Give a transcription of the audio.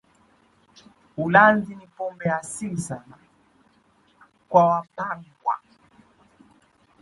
Ulanzi ni pombe ya asili sana kwa Wapangwa